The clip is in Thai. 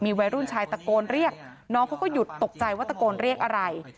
วัยรุ่นชายตะโกนเรียกน้องเขาก็หยุดตกใจว่าตะโกนเรียกอะไร